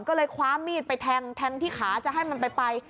ก็เลยคว้ามีดไปแทงแทงที่ขาจะให้มันไป